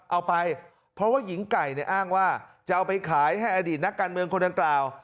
เอาไปเพราะว่าหญิงไก่เนี่ยอ้างว่าจะเอาไปขายให้อดีตนักการเมืองคนดังกล่าว